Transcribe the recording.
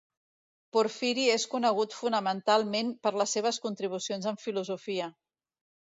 Porfiri és conegut fonamentalment per les seves contribucions en filosofia.